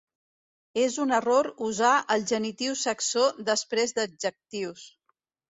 És un error usar el genitiu saxó després d'adjectius.